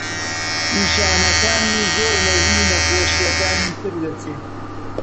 نیشانەکانی زۆر لە هی نەخۆشییەکانی تر دەچێت.